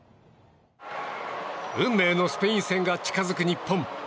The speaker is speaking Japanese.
運命のスペイン戦が近づく日本。